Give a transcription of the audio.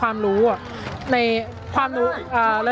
อย่างที่บอกไปว่าเรายังยึดในเรื่องของข้อเรียกร้อง๓ข้อ